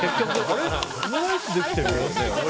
オムライスできてるよって。